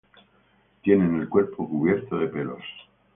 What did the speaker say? Tienen el cuerpo cubierto de pelos.